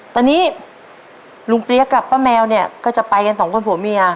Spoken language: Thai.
ตอนนี้ลุงเปี๊ยกกับป้าแมวเนี่ยก็จะไปกันสองคนผัวเมีย